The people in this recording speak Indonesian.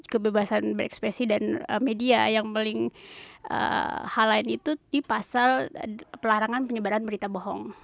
kebebasan berekspresi dan media yang paling hal lain itu di pasal pelarangan penyebaran berita bohong